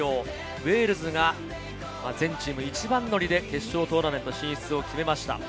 ウェールズが全チーム一番乗りで決勝トーナメント進出を決めました。